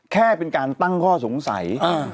แค่เป็นการตั้งข้อสงสัย